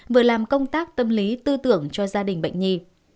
vừa làm công tác tâm lý tư tưởng cho gia đình bệnh nhi